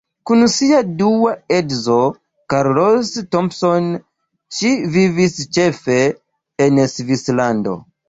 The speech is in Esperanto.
Kun sia dua edzo Carlos Thompson ŝi vivis ĉefe en Svislando.